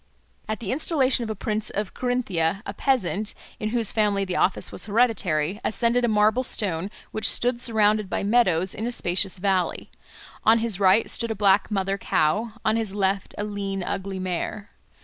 At the installation of a prince of Carinthia a peasant, in whose family the office was hereditary, ascended a marble stone which stood surrounded by meadows in a spacious valley; on his right stood a black mother cow, on his left a lean ugly mare.